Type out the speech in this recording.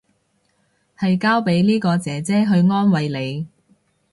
係交俾呢個姐姐去安慰你